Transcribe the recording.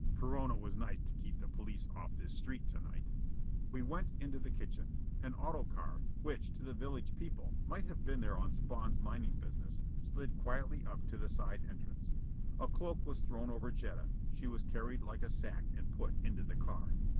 "Perona was nice to keep the police off this street to night!" We went into the kitchen. An auto car, which to the village people might have been there on Spawn's mining business, slid quietly up to the side entrance. A cloak was thrown over Jetta. She was carried like a sack and put into the car.